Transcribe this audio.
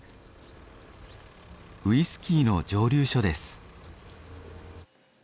ウイスキーの蒸留所です。